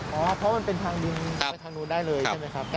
เพราะมันเป็นทางบินไปทางนู้นได้เลยใช่ไหมครับ